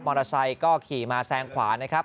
อเตอร์ไซค์ก็ขี่มาแซงขวานะครับ